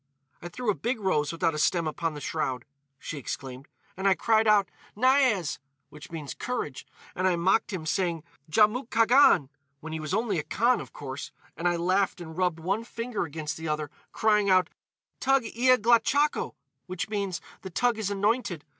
"I threw a big rose without a stem upon the shroud," she exclaimed, "and I cried out, 'Niaz!' which means, 'Courage,' and I mocked him, saying, 'Djamouk Khagan,' when he was only a Khan, of course; and I laughed and rubbed one finger against the other, crying out, 'Toug ia glachakho!' which means, 'The toug is anointed.